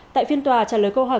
tại phiên tòa trả lời câu hỏi